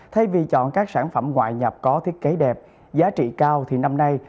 thay vì chọn các sản phẩm ngoại nhập có thiết kế đẹp giá trị cao thì năm nay